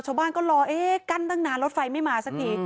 ชาวบ้านก็รอเอ๊ะกั้นตั้งนานรถไฟไม่มาสักที